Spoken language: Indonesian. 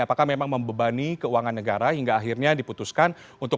apakah memang membebani keuangan negara hingga akhirnya diputuskan untuk